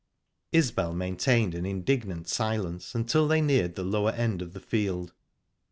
Isbel maintained an indignant silence until they neared the lower end of the field.